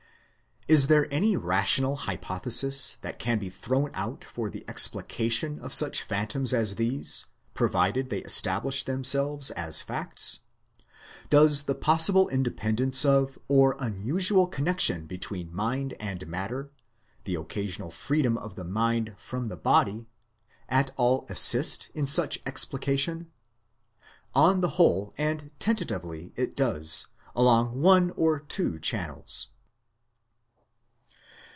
Is there any rational hypothesis that can be thrown out for the explication of such phantoms as these, provided they establish themselves as facts? Does the possible independence of or un usual connection between mind and matter the occasional free dom of the mind from the body at all assist in such explication? On the whole and tentatively it does, along one or two channels.